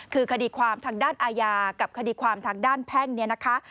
คือคดีความทางด้านอาญากับคดีความทางด้านแพ่งเนี่ยนะคะ